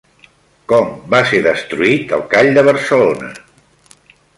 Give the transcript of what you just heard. Com va ser destruït el Call de Barcelona?